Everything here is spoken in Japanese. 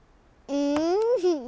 うん？